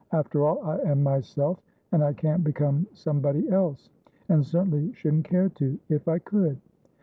After all, I am myself, and I can't become somebody else, and certainly shouldn't care to, if I could."